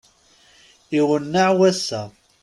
Iwenneɛ wass-a!